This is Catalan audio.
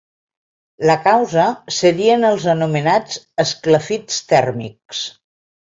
La causa serien els anomenats “esclafits tèrmics”.